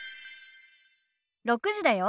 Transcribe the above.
６時だよ。